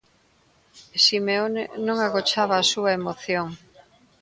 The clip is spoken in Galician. Simeone non agochaba a súa emoción.